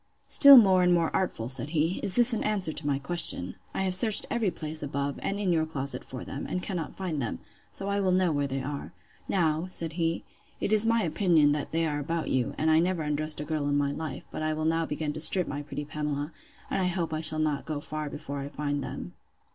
—Still more and more artful! said he—Is this an answer to my question?—I have searched every place above, and in your closet, for them, and cannot find them; so I will know where they are. Now, said he, it is my opinion they are about you; and I never undressed a girl in my life; but I will now begin to strip my pretty Pamela; and I hope I shall not go far before I find them.